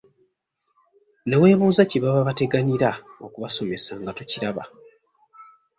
Ne weebuuza kye baba bateganira okubasomesa nga tokiraba!